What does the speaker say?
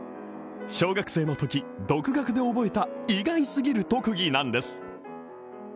小学生のとき、独学で覚えた意外すぎる特技なんです。